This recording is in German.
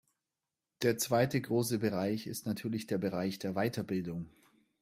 Der zweite große Bereich ist natürlich der Bereich der Weiterbildung.